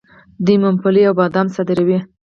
دوی ممپلی او بادام صادروي.